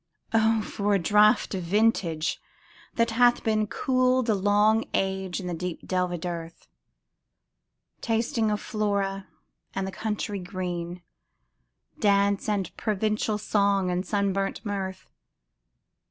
O, for a draught of vintage ! that hath been Cooled a long age in the deep delved earth, Tasting of Flora and the country green, Dance, and Provencal song, and sunburnt mirth!